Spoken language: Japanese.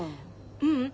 ううん。